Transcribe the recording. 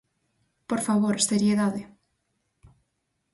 ¡Por favor, seriedade!